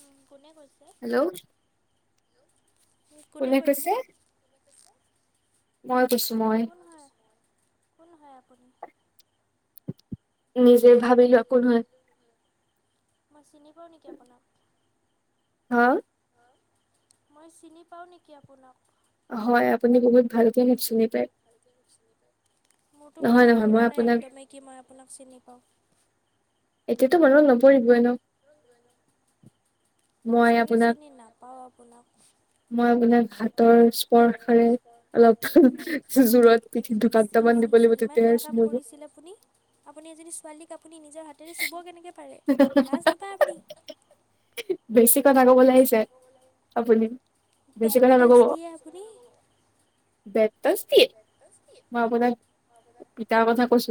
উম, কোনে কৈছে? হেল্ল'। কোনে কৈছে? মই কৈছো মই। কোন হয় কোন হয় আপুনি? নিজে ভাব মই চিনি পাওঁ নেকি আপোনাক? হা? মই চিনি পাওঁ নেকি আপোনাক? হয়, আপুনি বহুত মোৰতো মনত পৰা নাই একদমেই কি মই আপোনাক চিনি পাওঁ। এতিয়াতো বৰ্তমান নপৰিবই ন। মই চাগে চিনি নাপাওঁ আপোনাক! মই আপোনাক হাতৰ স্পৰ্শৰে অলপ জোৰত পিঠিত দুটামান দিব লাগিব তেতিয়াহে চিনি পাব। আপুনি আপুনি এজনী ছোৱালীক আপুনি নিজৰ হাতেৰে চুব কেনেকৈ পাৰে লাজ নাপায় আপুনি। বেছি কথা ক'বলে আহিছে আপুনি। বেছি কথা নক'ব। [unintelligible] মই আপোনাক পিতাৰ কথা কৈছো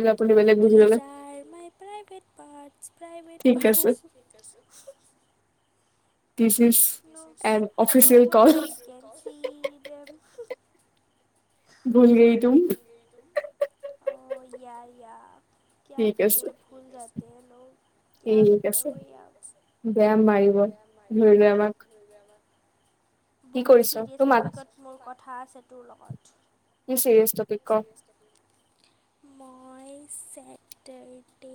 dear my private parts, private parts. This is and official call. Can see dam. [inaudible] O, yeah yeah কিয়া কৰে ভুল যাতে ল'। ঠিক আছে, বেয়া মাৰিম। বহুত চিৰিয়াছ টপিকত মোৰ কথা আছে তোৰ লগত। কি চিৰিয়েচ টপিক ক। মই চেট তেৰতি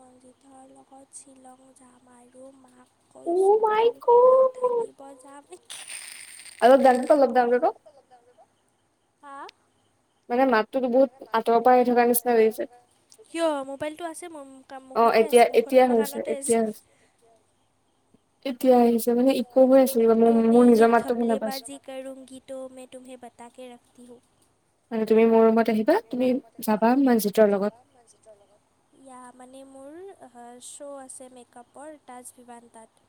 মনজিতৰ লগত শ্বিলং যাম আৰু মাক কৈছোঁ তোৰ ঘৰত থাকিব যাম। অলপ ডাঙৰ ক অলপ ডাঙৰকে ক। [inaudible] হা? কিয় মোবাইলটো আছে মো তই মুখতে আছে মুখত মানে কাণতে আছে। এতিয়া আহিছে মানে। তুমি এই খাপলেবাজী কৰি কৰঁগীটো মই তুম্হে বতক ৰখি হ' মানে তুমি মোৰ ৰুমত আহিবা, তুমি যাবা মনজিতৰ লগত। মনজিতৰ লগত। য়া মানে মোৰ শ্ব' আছে মেকআপৰ তাজ ভিভান্ততাত।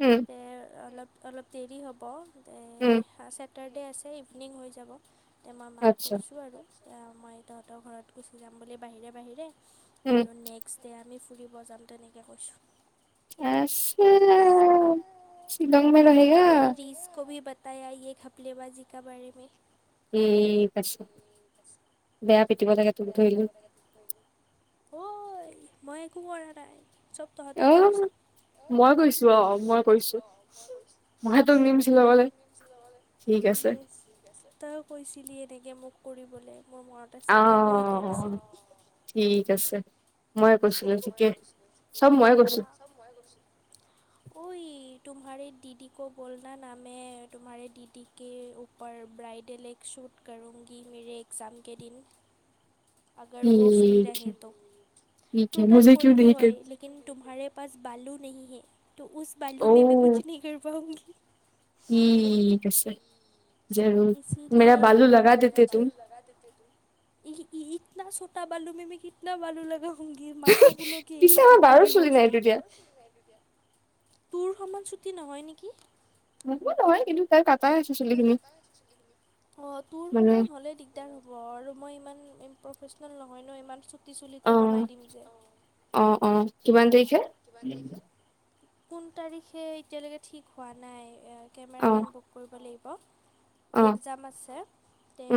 উম',। এ' অলপ- অলপ দেৰি হ'ব দে বৰ্থডে' আছে ইভিনিং হৈ যাব, তেতিয়া মই মাক কৈছোঁ আৰু। মই তহঁতৰ ঘৰত গুচি যাম বুলি বাহিৰে বাহিৰে, আৰু নেক্সট ষ্টে আমি ফুৰিব যাম তেনেকৈ কৈছোঁ। আজ মেনে ৰিছ ক' বি বত বতাই এই ঘাপ্লেবাজি ক' বাৰাৰেমে। এই পশ আছে বেয়া পিটিব লাগে। ঐ' মই একো কৰা নাই। চব তহতে কৰিচ। অ', মই গৈছোঁ অ' সেতু মিছ তই কৈছিলি এনেকে মোক কৰিবলৈ মোৰ মনতে তই মোক শিকাই দিছিলি। ঠিক আছে, ময়ে কৈছিলো ঠিকে চব ময়ে কৈছো। চব মই কৰিছোঁ। ঐ' তুমহাৰাৰে দিদি ক বল ন' না মে তুমাহাৰে দিদি কে পৰ ব্ৰাইডেল এক চুট কৰোগী মেৰে এগ্জাম কে দিন। আগাৰ ৱ' ফ্ৰ্ৰী ৰহে ট'। তোৰ তাত কৰিলোঁ হয়, লেকিন তোমহাৰে পাছ বালু নেহি হে। টো উচ বালু মে কোচ নেহি কৰ পাওঁগী। উমি', ঠিক আছে। জৰুৰ, মেৰা বালু লগা দেতে তুম। ই- ইতনা ছোটা বালু মে মেকে ইতনা বালু লগাওঁ। মাথা সোলকি আহি মাটিত পৰিব। তোৰ সমান ছুটি নহয় নেকি? মোৰ সমান নহয় কিন্তু। অ' তোৰ সমান হ'লেই দি হ'ব আৰু মই ইমান প্ৰফেচনেল নহয় ন' ইমান চুলিটো বনাই দিম যে। অ', অ', অ', কিমান তাৰিখে? কোন তাৰিখে এতিয়ালৈকে ঠিক হোৱা নাই। এ' কেমেৰামেন বুক কৰিব লাগিব, একজাম আছে তে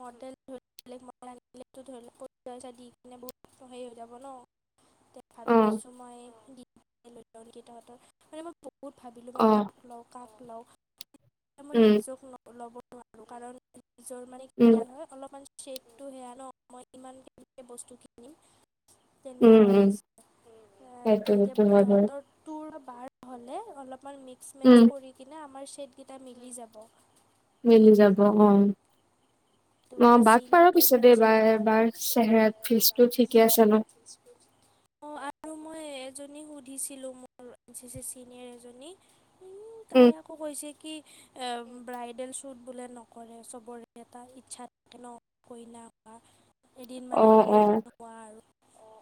মডেল ধৰি বেলেগ মডেল আ' ধৰি পইচা দি কিনে বহুত হেৰি হৈ যাব ন'। ভাবিছোঁ মই কেইটা তহঁতৰ মানে মই বহুত ভাবিলোঁ মই কাক লওঁ। কাক লওঁ ৰিজুক লব নোৱাৰোঁ কাৰণ ৰিজুৰ মানে কি হয় অলপমান শ্বেটটো সেয়া ন' মই ইমানকৈ বস্তু কিনিম। তেনেকুৱা হৈছে এতিয়া, তহঁতৰ তোৰ বাৰ হ'লে, অলপমান মিক্স-মেটছ কৰি কিনে, আমাৰ চেটকেইটা মিলি যাব। মিলি যাব অ'। অ', বাক পাৰ পিছে, দেইবাৰ এবাৰ চেহেৰাত ফিজটো ঠিকে আছে ন'। [unintelligible] অ', আৰু মই এজনী সুধিছিলো, মোৰ এন চি চি চিনিয়ৰ এজনীক। এই, তাই আকৌ কৈছে কি, ব্ৰাইডেল শ্বুট বোলে নকৰে, চবৰে এটা ইচ্ছা থাকে ন', কইনা হোৱা, এদিন মানে কইনা হোৱা আৰু।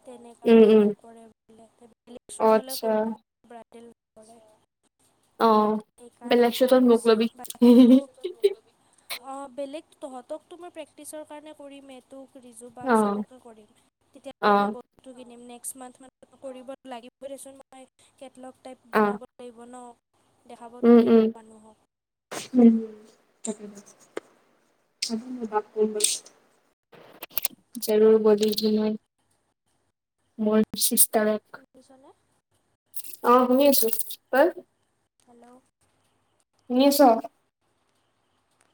তেনেকা মানে, নকৰে বো, বেলেগ শ্বুট হ'লে কৰিব। [unintelligible] সেইকাৰণে, দিগদাৰ হৈছে, বাকীটো। অ', বেলেগ তহঁতকতো মই, প্ৰেক্টিচৰ কাৰণে কৰিমে। তোক, ৰিজু বাক চবকে কৰিম, তেতিয়া [unintelligible] টো কিনিম নেক্সট মান্থ কৰিবই লাগিব দেচোন মই, কেটলক টাইপ বনাব লাগিব ন, দেখাবতো লাগিব মানুহক। উম। [unintelligible] মই, চিষ্টাৰে শুনিছনে। অ', শুনি আছোঁ, তই? হেল্ল'। শুনি আছ?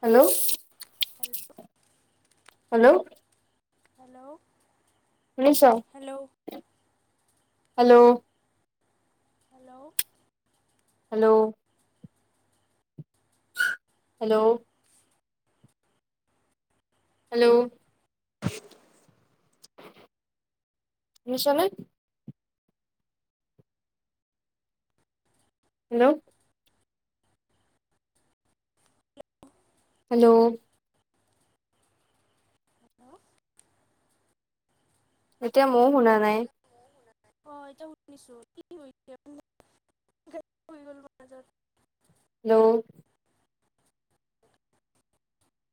হেল্ল'। হেল্ল'। হেল্ল'। হেল্ল'। শুনিছ, hello. Hello. Hello. Hello. Hello, শুনিছনে? হেল্ল'। হেল্ল'। হেল্ল'। এতিয়া, মইও শুনা নাই। অ', এতিয়া শুনিছো, কি [unintelligible] হেল্ল'।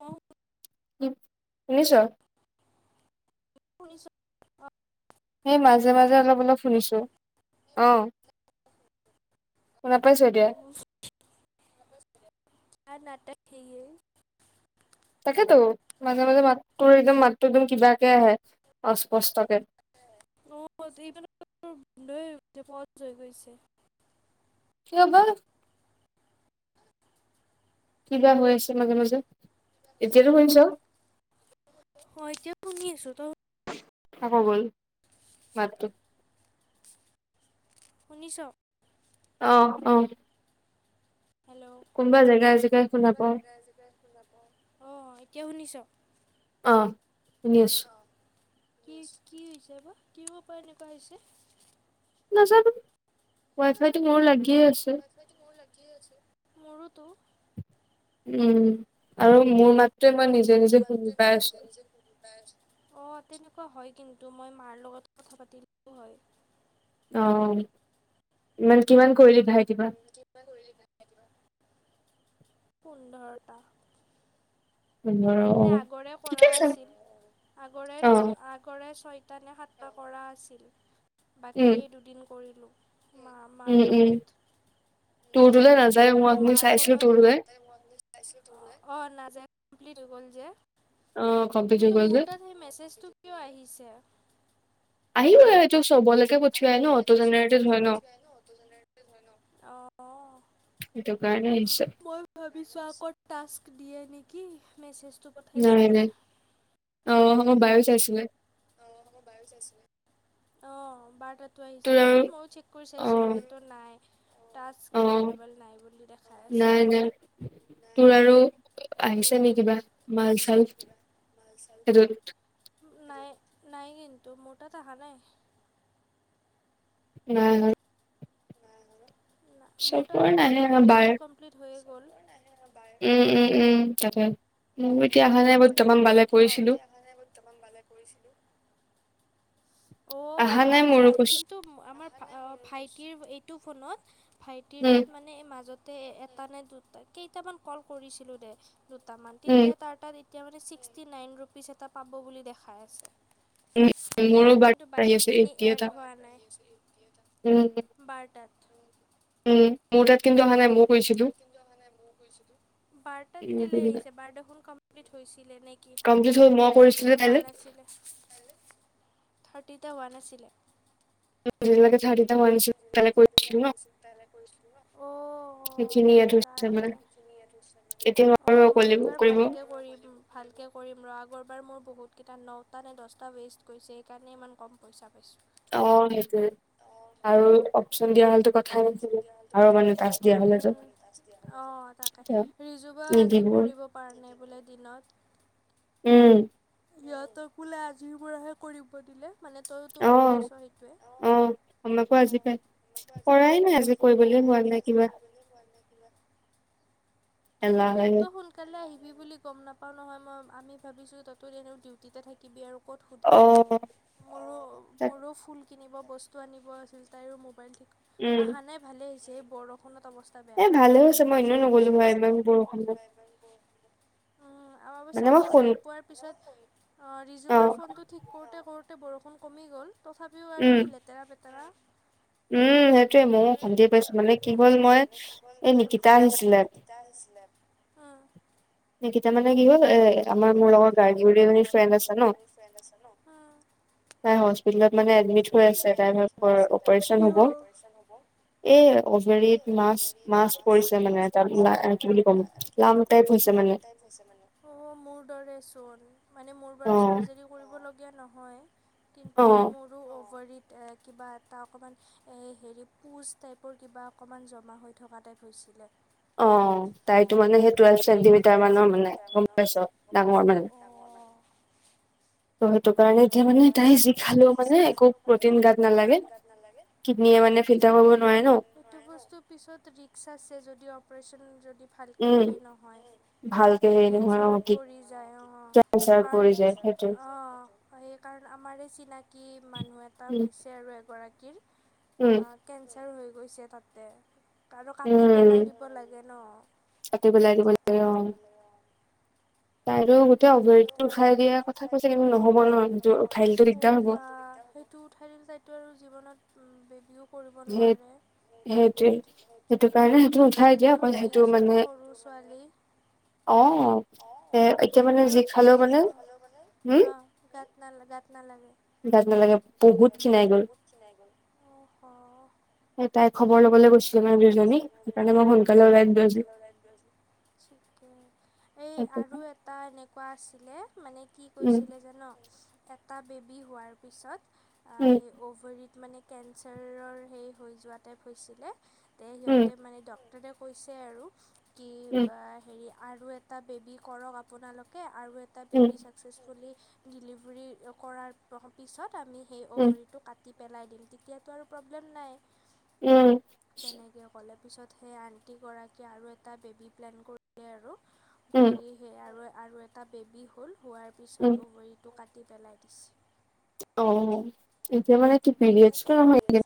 অ'। শুনিছ। শুনিছ অ'। এই মাজে, মাজে, অলপ, অলপ শুনিছোঁ, অ'। শুনা পাইছ এতিয়া। [unintelligible] তাকেতো, মাজে মাজে মাতটোৰ একদম, মাতটো একদম কিবাকে আহে, অস্পষ্টকে। অ এইফ বন্ধ গৈছে প হৈ গৈছে। কিয়বা। কিবা হৈ আছে মাজে মাজে এতিয়াতো শুনিছ। হয় এতিয়া শুনি আছো তই। আকৌ গ'ল মাততো। শুনিছ? অ অ। কোনোবা জেগাই জেগাই শুনা পাওঁ। অ এতিয়া শুনিছো। অ শুনি আছো। কি কি হৈছে বা কি পৰা এনেকুৱা হৈছে। নাজানো ৱাই ফাইটো মোৰ লাগিয়ে আছে। মোৰ লাগিয়ে আছে মোৰোতো। উম আৰু মোৰ মাতটো মই নিজে নিজে শুনি পাই আছোঁ। অ তেনেকুৱা হয় কিন্তু মই মাৰ লগত কথা পাতিলোঁ হয়। অ ইমান কিমান কৰিলি ভাইটি। কিমান কৰিলি ভাইটি পা পোন্ধৰটা। দে আগৰে কৰা আছিল আগৰে--আ। কৰে ছয়টা নে সাতটা কৰা আছিল। বাকী এই দুদিন কৰিলোঁ। মা মাৰ লগত। তেনেকে আৰু মাৰ ফলত। অ নাযায় কমপ্লিট হৈ গ'ল যে। কিন্তু মোৰ তাত সেই মেছেজটো কিয় আহিছে। আহিব আৰু টো চব লে। আহিবৈ আৰু এইটো চবলৈকে পুঠিৱাই ন ত ন অ। সেইটো কাৰণে আহিছে। ভাবিছোৱা ক পাচ দিয়ে নেকি? নাই নাই অ আম বায়ু চাইছিলে। অ আম বায়ো চাইছিলে অ বাৰ তাটো আহিছে। কৰি চাইছিলোঁ কিন্তু নাই টাচ্ এভেইলেবল নাই বুলি দেখা আছে। তোৰ আৰু আহিছে নে কিবা মাল চাল সেইটোত। নাই নাই কিন্তু মোৰ তাত আহা নাই। নাই। মোৰ তাত আৰু ক'ত আহিব মোৰতো কমপ্লিট হৈয়ে গ'ল। এ এ এ তাকে। মোৰ এতিয়া অহা নাই বৰ্তমান ভালে কৰিছিলোঁ। আহা নাই মোৰো কৈছো। ত আমাৰ ভাইটিৰ এইটো ফোনত ভাইটিৰ তাত মানে এ মাজত। তে এটা নে দুটা কেইটামান কল কৰিছিলোঁ দে দুটামান তেতিয়া তাৰ তাত। এতিয়া মানে ছিক্সটি নাইন ৰুপিজ এটা পাব বুলি দেখাই আছে। কিন্তু বাকীখিনি এড হোৱা নাই। বাৰটাত। উম। মোৰ তাত কিন্তু। উ মোৰ তাত কিন্তু অহা নাই মোৰো কৰিছিলোঁ। বাৰতাত কেলে আহিছে। বাৰতাত কমপ্লিট হৈছিলে নেকি? হোৱা নাছিলে। থাৰ্টিতা হোৱা নাছিলে। [unintelligible] থাৰ্টিতা হোৱা নাছিলে [unintelligible] [unintelligible] অ', সেইকাৰণে অ, মই এইবাৰ ভালকে ম, ভালকৈ কৰিম ৰ আগৰবাৰ মোৰ বহুতকেইটা নটা নে দহটা মিষ্ট গৈছে। সেইকাৰণে ইমান কম পইচা পাইছোঁ। অ', সেইটোৱে আৰু অপচন দিয়া হলে কথাই আাছিলো আৰু মানে টাচ দিয়া উম', অ, তাকে ৰিজুবা আজি কৰিব পাৰ নাই বোলে। দিনত উম', ইহ তই বোলে আজিৰ পৰাহে কৰিব দিলে মানে তায়োতো কৰি আছ। সেইটোৱে আমাকো আজি পাই কৰাই নাই। আজি কৰিবলৈ হোৱা আজি কৰিবলৈ কোৱা নাই। কিবা তই সুন কালে আহিবি বুলি গম নাপাওঁ নহয়। মই আমি ভাবিছোঁ তাতো এনে ডিউটিতে থাকিবি আৰু ক'ত সুধিম মোৰো মোৰো ফুল কিনিব বস্তু আনিব আছিল। তাইৰো মোবাইল ঠিক অহা নাই। ভালে হৈছে। এই বৰষুণত অৱস্থ [unintelligible] [unintelligible] ভালে হৈছে মই এনেও নগলো হয় ইমান গৰম উম', অৱশ্যে আমি যাই পোৱাৰ তাৰপিছত ৰিজুবাৰ ফোনটো ঠিক কৰোঁতে। কৰোঁতে। বৰষুণ কমি গ'ল। তথাপিও আৰু এই লেতেৰা পেতেৰা উম', সেইটোৱে ময়ো ভানন্দি পাইছো মানে কি হ'ল মই এই নিকিতা আহিছিলে। তা আছিলে অ, তেতিয়া মানে কি হ'ল এ, আমাৰ মোৰ লগতাই ফ্ৰেণ্ড আছে ন। তাই হস্পিতালত মানে এদমিদ হৈ আছে। তাই মানে কিয় অপাৰেচন হ'ব। এই অভৰিত মাছ মাছ পৰিছে, মানে তাত বলা এ, বুলি ক'ম হৈছে মানে মোৰ দৰে মানে মোৰ বাৰু চাৰ্জাৰী কৰিবলীয়া ন হয়। কিন্তু মোৰ মোৰো [unintelligible] কিবা এটা অকমান হেৰি পুচ টাইপ কিবা অকণমান জমা হৈ থকাতাইপ হৈছিলে। অ', তাইতো মানে সেই টুৱেল্ভ চেণ্টিমিটাৰ মানৰ মানে গম পাইছ। ডাঙৰ মানে [inaudible] ত', হেইটো কাৰণে এতিয়া মানে তাই যি খালেও মানে একো প্ৰটিন গাত নালাগে। নালাগে। কিডনীয়ে মানে ফিল্টাৰ কৰিব নোৱাৰে ন। এইটো বস্তুৰ পিছত ৰিক্স আছে। যদি অপাৰেচন যদি ভালকৈ সেই নহয়। কেঞ্চাৰত পৰি যায় অ, কাৰণ অ, সেইকাৰণ আমাৰ চিনাকি মানুহ এটা হৈছে। আৰু এগৰাকীৰ কেঞ্চাৰ হৈ গৈছে। তাতে আৰু কাটি পেলাই দিব লাগে ন। পেলাই দিব লাগে। অ, ৰ চাই দিয়া কথা কৈ এ, নহব নোৱাৰ সেইটো উঠাই দিম যাইটো আৰু জীৱনত বেবীও কৰিব নোৱাৰে। সেইটোৱে সেইটো কাৰণে সেইটো উঠাই দিয়া অকল সেইটো মানে অ', [unintelligible] আৰু কি অ, গাত ন গাত নালাগে। ব বহুত কিনাই গল অহ'। এ তাইৰ খবৰ ল'বলৈ গৈছিলোঁ মানে দুইজনী সেইকাৰণে মই সোনকালে ওলাই দিলোঁ আজি। [unintelligible] ঠিকেই এই আৰু এ টা এনেকুৱা আছিলে মানে কি কৰিছিলে জান'। এটা বেবী হোৱাৰ পিছত অ', সেই অভেৰিত মানে কেঞ্চাৰৰ হেৰি হৈ যোৱা টাইপ হৈছিলে তে সিহঁতে মানে ডক্টৰে কৈছে আৰু কি হেৰি আৰু এটা বেবি কৰক আপোনালোকে আৰু এটা টা বেবী ছাকচেছফুলি ডিলিভাৰী কৰাৰ পিছত আমি সেই অভৰেটো কাটি টি পেলাই দিম তেতিয়াতো আৰু প্ৰব্লেম নাই। উম। তেওঁ ক'লে পিছত সেই আণ্টিগৰাকীয়ে আৰু এটা বেবী প্লেন কৰিলে আৰু কৰি এ আৰু আৰু এটা বেবী হ'ল হোৱাৰ পিছত অ'ভাৰিটো কাটি পেলাই দিছে। অ', এতিয়া মানে কি পৰিয়ডছটো নহয় নেকি?